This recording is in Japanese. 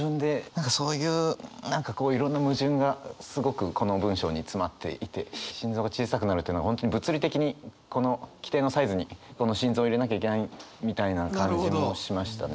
何かそういう何かこういろんな矛盾がすごくこの文章に詰まっていて「心臓が小さくなる」という本当に物理的にこの規定のサイズにこの心臓を入れなきゃいけないみたいな感じもしましたね。